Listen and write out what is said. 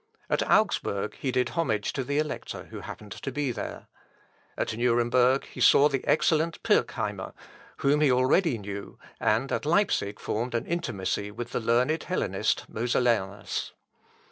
At Augsburg he did homage to the Elector, who happened to be there. At Nuremberg he saw the excellent Pirckheimer, whom he already knew, and at Leipsic formed an intimacy with the learned Hellenist, Mosellanus.